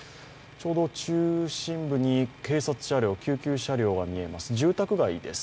ちょうど中心部に警察車両、救急車両が見えます。